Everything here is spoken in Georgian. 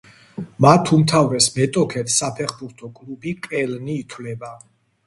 მათ უმთავრეს მეტოქედ საფეხბურთო კლუბი კელნი ითვლება.